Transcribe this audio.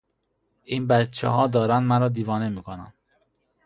این بچهها دارند مرا دیوانه میکنند!